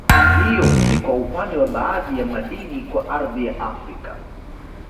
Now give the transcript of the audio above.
Hiyo ni kwa upande wa baadhi ya madini kwa ardhi ya Afrika